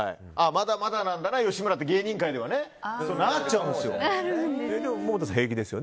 まだまだなんだな吉村って芸人界ではなっちゃうんですよ。